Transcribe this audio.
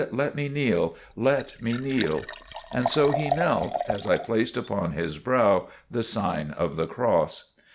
"Let me kneel; let me kneel." And so he knelt, as I placed upon his brow the sign of the cross.